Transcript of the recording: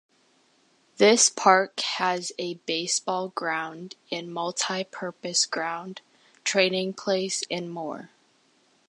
This park has a baseball ground and multipurpose ground, training place and more.